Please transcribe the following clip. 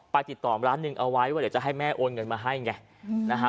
ไปติดต่อร้านหนึ่งเอาไว้ว่าเดี๋ยวจะให้แม่โอนเงินมาให้ไงนะฮะ